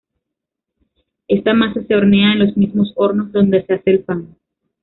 Esta masa se hornea en los mismos hornos donde se hace el pan.